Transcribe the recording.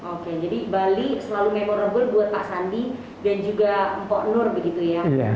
oke jadi bali selalu memorable buat pak sandi dan juga mpok nur begitu ya